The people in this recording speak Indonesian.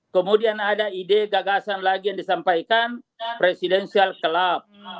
kemudian ada ide gagasan lagi yang disampaikan presidensial club